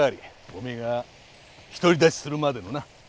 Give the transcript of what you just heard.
お前が独り立ちするまでのな。